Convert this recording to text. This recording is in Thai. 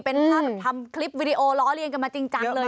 เป็นภาพแบบทำคลิปวิดีโอล้อเลียนกันมาจริงจังเลย